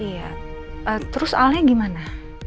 iya terus alnya gimana